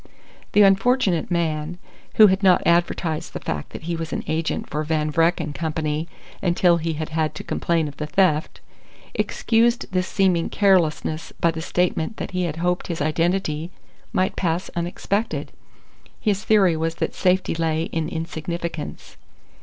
The unfortunate man (who had not advertised the fact that he was an agent for Van Vreck & Co. until he had had to complain of the theft) excused this seeming carelessness by the statement that he had hoped his identity might pass unsuspected. His theory was that safety lay in insignificance.